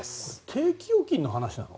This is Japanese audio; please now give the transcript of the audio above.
定期預金の話なの？